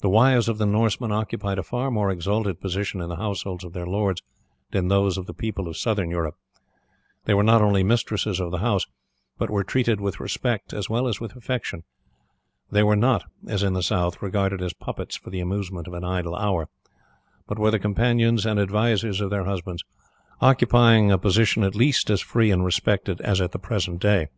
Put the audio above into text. The wives of the Norsemen occupied a far more exalted position in the households of their lords than did those of the people of southern Europe; they were not only mistresses of the house, but were treated with respect as well as with affection; they were not, as in the south, regarded as puppets for the amusements of an idle hour, but were the companions and advisers of their husbands, occupying a position at least as free and respected as at the present day.